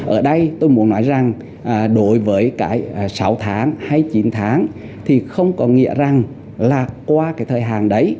ở đây tôi muốn nói rằng đối với cái sáu tháng hay chín tháng thì không có nghĩa rằng là qua cái thời hạn đấy